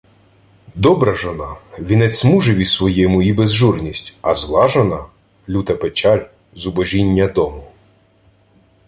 Добра жона – вінець мужеві своєму і безжурність, а зла жона – люта печаль, зубожіння дому.